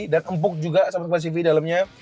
dan empuk juga sobat kelas ev dalamnya